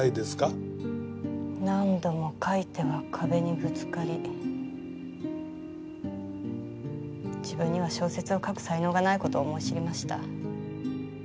何度も書いては壁にぶつかり自分には小説を書く才能がない事を思い知りました。